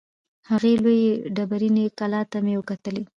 هغې لویې ډبریني کلا ته مې وکتلې.